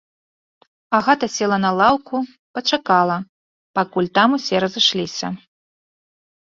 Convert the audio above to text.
Агата села на лаўку, пачакала, пакуль там усе разышліся.